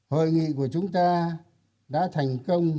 hội nghị của chúng ta đã thành công